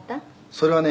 「それはね